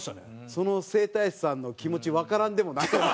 その整体師さんの気持ちわからんでもない。